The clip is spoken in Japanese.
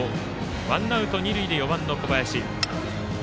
ワンアウト、二塁で４番の小林。